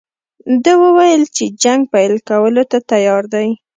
ده وویل چې جنګ پیل کولو ته تیار دی.